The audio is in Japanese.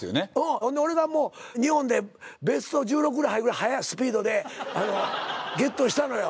ほんで俺が日本でベスト１６ぐらい入る速スピードでゲットしたのよ。